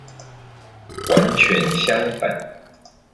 完全相反！